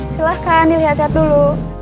silahkan dilihat lihat dulu